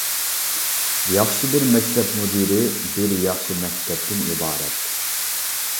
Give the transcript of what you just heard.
ياخشى بىر مەكتەپ مۇدىرى-بىر ياخشى مەكتەپتىن ئىبارەت.